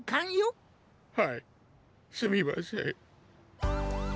はいすみません。